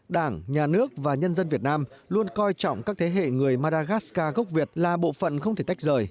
đảng nhà nước và nhân dân việt nam luôn coi trọng các thế hệ người maragascar gốc việt là bộ phận không thể tách rời